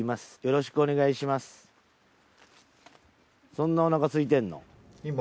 そんなお腹すいてんの？